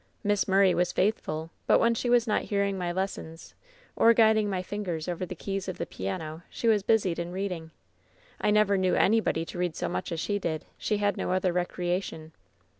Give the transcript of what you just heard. Miss Murray was faith ful, but when she was not hearing my lessons, or guiding my fingers over the keys of the piano, she was busied in reading. I never knew anybody to read so much as she did. She had no other recreation.